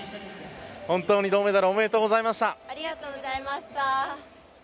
本当に銅メダルおめでとうございました。